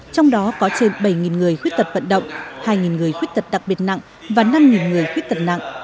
trong đó có trên bảy người khuất tật vận động hai người khuất tật đặc biệt nặng và năm người khuất tật nặng